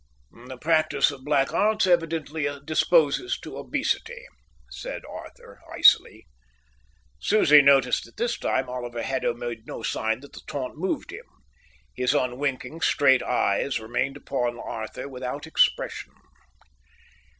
"The practice of black arts evidently disposes to obesity," said Arthur, icily. Susie noticed that this time Oliver Haddo made no sign that the taunt moved him. His unwinking, straight eyes remained upon Arthur without expression.